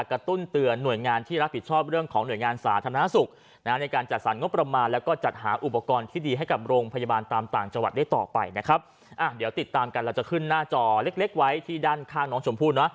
เดี๋ยวติดตามกันเราจะขึ้นหน้าจอเล็กเล็กไว้ที่ด้านข้างน้องชมพู่นะ